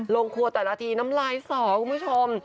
ลงครัวแต่ละทีน้ำลายสอคุณผู้ชม